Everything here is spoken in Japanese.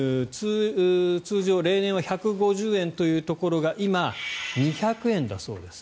通常、例年は１５０円というところが今、２００円だそうです。